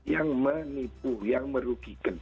yang menipu yang merugikan